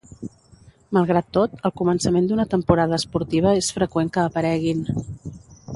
Malgrat tot, al començament d'una temporada esportiva és freqüent que apareguin.